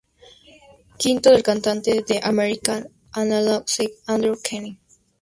V del cantante de The American Analog Set Andrew Kenny.